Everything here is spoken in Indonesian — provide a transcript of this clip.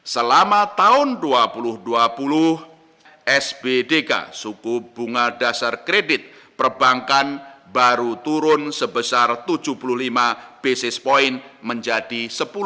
selama tahun dua ribu dua puluh sbdk suku bunga dasar kredit perbankan baru turun sebesar tujuh puluh lima basis point menjadi sepuluh